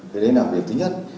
thế đấy là việc thứ nhất